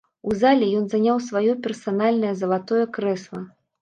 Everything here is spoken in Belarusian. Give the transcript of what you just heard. У зале ён заняў сваё персанальнае залатое крэсла.